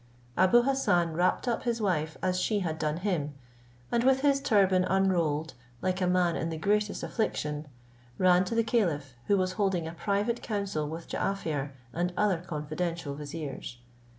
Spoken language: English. Abou Hassan wrapped up his wife as she had done him, and with his turban unrolled, like a man in the greatest affliction, ran to the caliph, who was holding a private council with Jaaffier and other confidential viziers.